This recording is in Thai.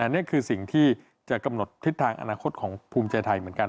นี่คือสิ่งที่จะกำหนดทิศทางอนาคตของภูมิใจไทยเหมือนกัน